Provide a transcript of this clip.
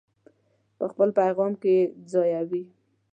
په خپل پیغام کې یې ځایوي.